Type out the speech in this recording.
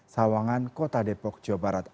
sawangan kota depok jawa barat